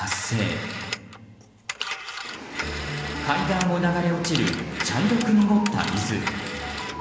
階段を流れ落ちる茶色く濁った水。